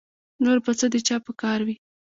نور به څه د چا په کار وي